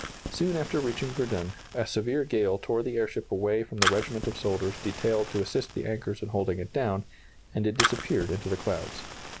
Soon after reaching Verdun a severe gale tore the airship away from the regiment of soldiers detailed to assist the anchors in holding it down, and it disappeared into the clouds.